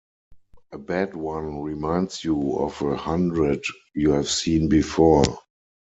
A bad one reminds you of a hundred you have seen before.